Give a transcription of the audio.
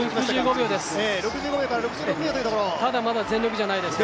６５秒です。